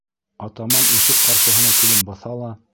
Атаман ишек ҡаршыһына килеп баҫа ла: